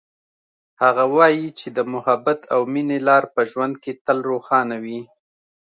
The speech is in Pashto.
هغه وایي چې د محبت او مینې لار په ژوند کې تل روښانه وي